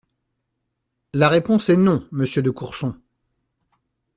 La réponse est non, monsieur de Courson.